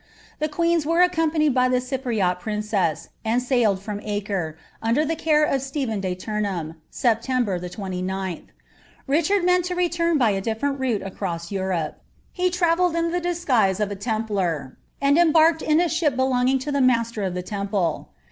The queens were accompanied ^nriot princess, and tiailed from Acre, under the care of Stephen BID, September the 29th. Richard meant to return by a difierem DM Europe. He travelled in the disguise of a Templar, anil 'f in a ship belonging to the master of the Temple.